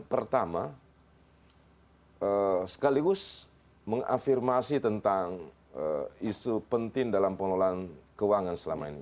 pertama sekaligus mengafirmasi tentang isu penting dalam pengelolaan keuangan selama ini